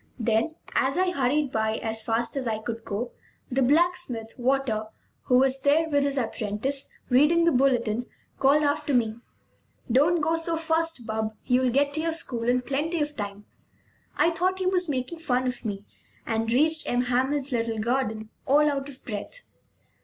Then, as I hurried by as fast as I could go, the blacksmith, Wachter, who was there, with his apprentice, reading the bulletin, called after me: "Don't go so fast, bub; you'll get to your school in plenty of time!" I thought he was making fun of me, and reached M. Hamel's little garden all out of breath.